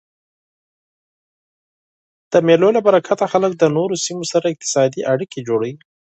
د مېلو له برکته خلک له نورو سیمو سره اقتصادي اړیکي جوړوي.